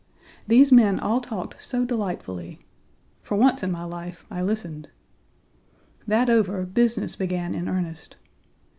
These men all talked so delightfully. For once in my life I listened. That over, business began in earnest.